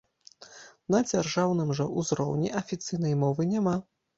На дзяржаўным жа ўзроўні афіцыйнай мовы няма.